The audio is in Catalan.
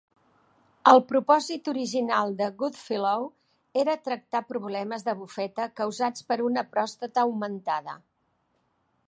El propòsit original de Goodfellow era tractar problemes de bufeta causats per una pròstata augmentada.